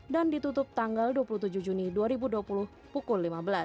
dan ditutup tanggal dua puluh tujuh juni dua ribu dua puluh pukul lima belas